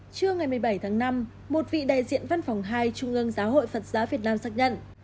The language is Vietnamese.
trưa ngày một mươi bảy tháng năm một vị đại diện văn phòng hai trung ương giáo hội phật giáo việt nam xác nhận